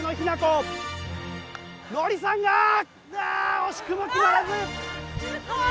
惜しくも決まらず。